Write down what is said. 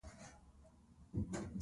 بدرنګه زړه دښمن ته خوشحالي ورکوي